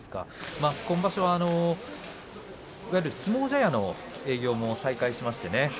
今場所はいわゆる相撲茶屋の営業も再開しましたね。